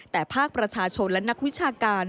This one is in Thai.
แต่ภาคประชาชนและนักวิชาการ